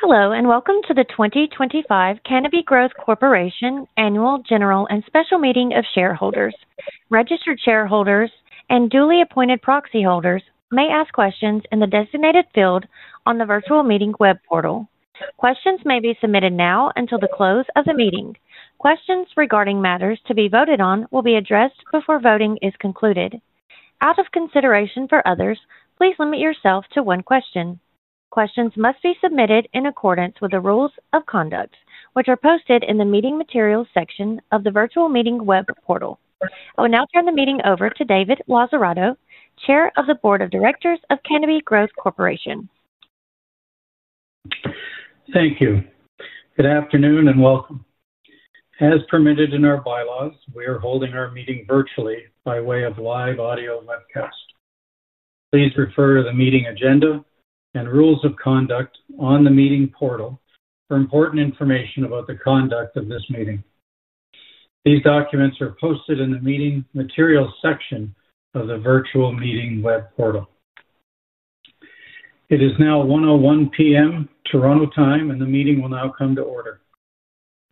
Hello and welcome to the 2025 Canopy Growth Corporation Annual General and Special Meeting of Shareholders. Registered shareholders and duly appointed proxy holders may ask questions in the designated field on the virtual meeting web portal. Questions may be submitted now until the close of the meeting. Questions regarding matters to be voted on will be addressed before voting is concluded. Out of consideration for others, please limit yourself to one question. Questions must be submitted in accordance with the rules of conduct, which are posted in the Meeting Materials section of the virtual meeting web portal. I will now turn the meeting over to David Lazzarato, Chair of the Board of Directors of Canopy Growth Corporation. Thank you. Good afternoon and welcome. As permitted in our bylaws, we are holding our meeting virtually by way of live audio webcast. Please refer to the meeting agenda and rules of conduct on the meeting portal for important information about the conduct of this meeting. These documents are posted in the Meeting Materials section of the virtual meeting web portal. It is now 1:01 P.M. Toronto Time, and the meeting will now come to order.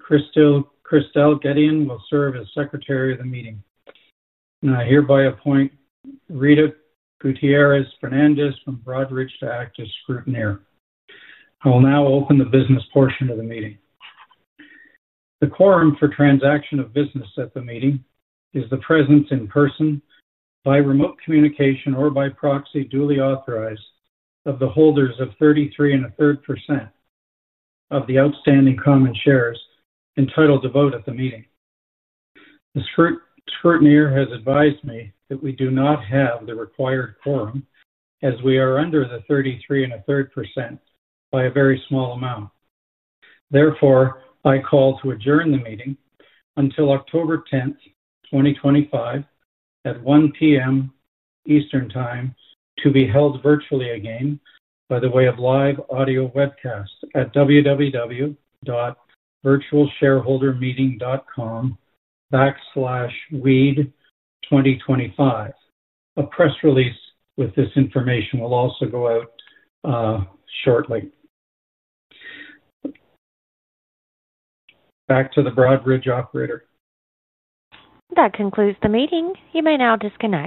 Christelle Gedeon will serve as Secretary of the Meeting, and I hereby appoint Rita Gutierrez Fernandez from Broadridge to act as Scrutineer. I will now open the business portion of the meeting. The quorum for transaction of business at the meeting is the presence in person, by remote communication, or by proxy duly authorized of the holders of 33⅓% of the outstanding common shares entitled to vote at the meeting. The scrutineer has advised me that we do not have the required quorum as we are under the 33⅓% by a very small amount. Therefore, I call to adjourn the meeting until October 10, 2025, at 1:00 P.M. Eastern Time to be held virtually again by the way of live audio webcast at www.virtualshareholdermeeting.com/weed2025. A press release with this information will also go out shortly. Back to the Broadridge operator. That concludes the meeting. You may now disconnect.